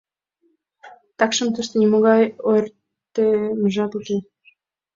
— Такшым тыште нимогай ойыртемжат уке.